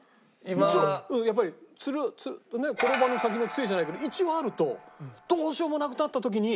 一応やっぱりねえ転ばぬ先の杖じゃないけど一応あるとどうしようもなくなった時に。